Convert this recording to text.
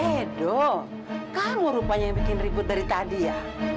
aduh kamu rupanya yang bikin ribut dari tadi ya